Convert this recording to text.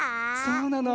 そうなの。